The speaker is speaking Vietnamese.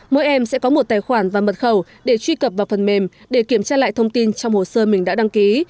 mỗi em sẽ có một tài khoản và mật khẩu để truy cập vào phần mềm để kiểm tra lại thông tin trong hồ sơ mình đã đăng ký